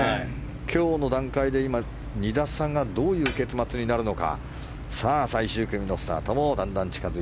今日の段階で今、２打差がどういう結末になるのか。